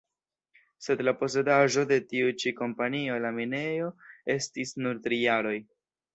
Sed la posedaĵo de tiu ĉi kompanio la minejo estis nur tri jaroj.